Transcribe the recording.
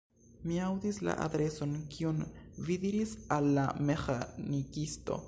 Mi aŭdis la adreson, kiun vi diris al la meĥanikisto.